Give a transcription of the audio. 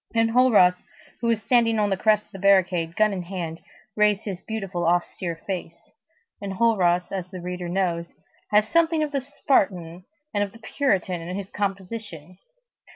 Enjolras, who was standing on the crest of the barricade, gun in hand, raised his beautiful, austere face. Enjolras, as the reader knows, had something of the Spartan and of the Puritan in his composition.